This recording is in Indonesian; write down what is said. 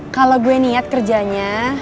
kalau gue niat kerjanya